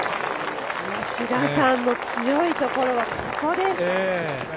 吉田さんの強いところはここです。